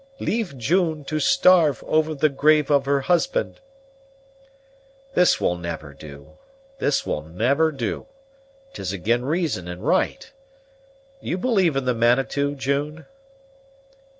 Leave June to starve over the grave of her husband." "This will never do this will never do. 'Tis ag'in reason and right. You believe in the Manitou, June?"